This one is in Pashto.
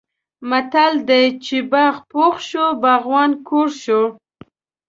متل دی: چې باغ پوخ شو باغوان کوږ شو.